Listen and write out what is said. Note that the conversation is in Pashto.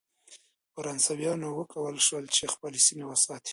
فرانسویانو وکولای شول چې خپلې سیمې وساتي.